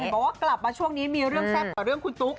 บอกว่ากลับมาช่วงนี้มีเรื่องแซ่บกว่าเรื่องคุณตุ๊ก